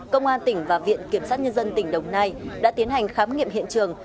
công an tỉnh và viện kiểm sát nhân dân tỉnh đồng nai đã tiến hành khám nghiệm hiện trường